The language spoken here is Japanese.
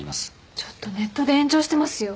ちょっとネットで炎上してますよ。